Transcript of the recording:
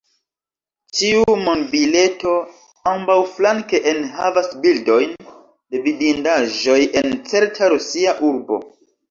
Ĉiu monbileto ambaŭflanke enhavas bildojn de vidindaĵoj en certa rusia urbo.